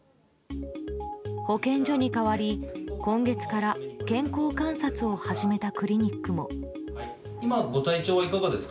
保健所に代わり、今月から健康観察を始めたクリニックも。